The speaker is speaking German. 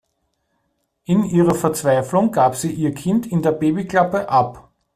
In ihrer Verzweiflung gab sie ihr Kind in der Babyklappe ab.